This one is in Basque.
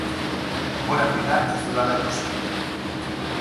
Denborak dira ez dudala ikusi.